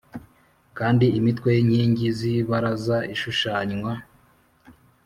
Kandi imitwe y inkingi z ibaraza ishushanywa